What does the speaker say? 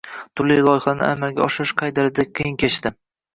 turli loyihalarni amalga oshirish qay darajada qiyin kechdi?